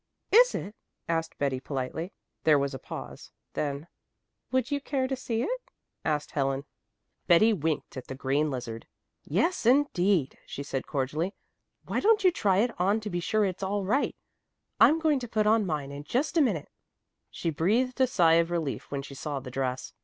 "Is it?" asked Betty politely. There was a pause. Then, "Would you care to see it?" asked Helen. Betty winked at the green lizard. "Yes indeed," she said cordially. "Why don't you try it on to be sure it's all right? I'm going to put on mine in just a minute." She breathed a sigh of relief when she saw the dress.